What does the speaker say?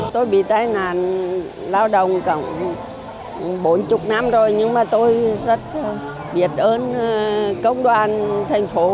tôi bị tai nạn lao động khoảng bốn mươi năm rồi nhưng mà tôi rất biết ơn công đoàn thành phố